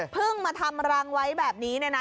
มาทำรังไว้แบบนี้เนี่ยนะ